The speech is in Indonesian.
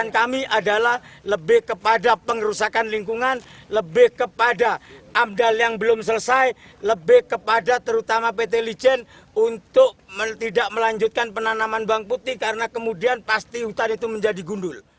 kepada terutama pt lijen untuk tidak melanjutkan penanaman bang putih karena kemudian pasti hutan itu menjadi gundul